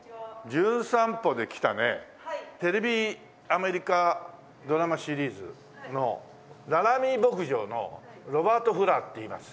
テレビアメリカドラマシリーズの『ララミー牧場』のロバート・フラーっていいます。